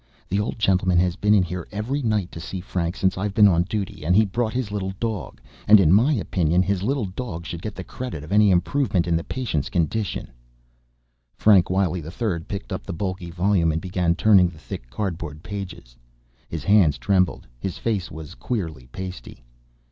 "The old gentleman has been in here every night to see Frank since I've been on duty and he brought his little dog, and in my opinion his little dog should get the credit of any improvement in the patient's condition." Frank Wiley III picked up the bulky volume and began turning the thick cardboard pages. His hands trembled; his face was queerly pasty.